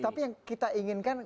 tapi yang kita inginkan